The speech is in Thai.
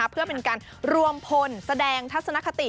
เพื่อเป็นการรวมพลแสดงทัศนคติ